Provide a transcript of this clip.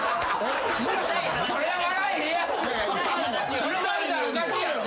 それ笑ったらおかしいやろ。